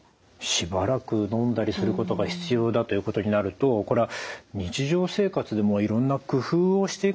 しばらくのんだりすることが必要だということになるとこれは日常生活でもいろんな工夫をしていかなきゃいけないですかね。